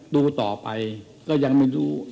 ดูต่อไปก็ยังไม่รู้